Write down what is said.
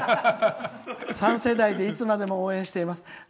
３世代でいつまでも応援しています。